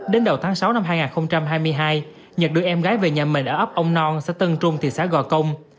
đến đầu tháng sáu năm hai nghìn hai mươi hai nhật đưa em gái về nhà mình ở ấp ông non xã tân trung thị xã gò công